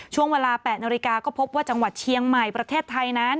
ช่วงเวลา๘นาฬิกาก็พบว่าจังหวัดเชียงใหม่ประเทศไทยนั้น